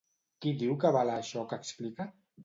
Qui diu que avala això que explica?